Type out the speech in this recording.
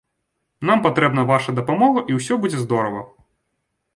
Нам патрэбна ваша дапамога, і ўсё будзе здорава.